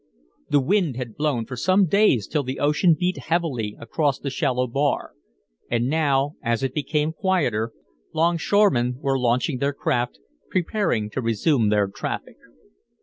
The wind had blown for some days till the ocean beat heavily across the shallow bar, and now, as it became quieter, longshoremen were launching their craft, preparing to resume their traffic.